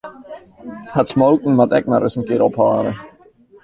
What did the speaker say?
Dat smoken moat ek mar ris in kear ophâlde.